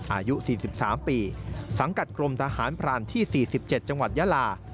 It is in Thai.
อายุ๔๓ปีสังกัดกรมทหารพรานที่๔๗จังหวัดยาลา